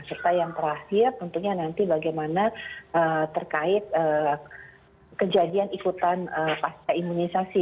serta yang terakhir tentunya nanti bagaimana terkait kejadian ikutan pasca imunisasi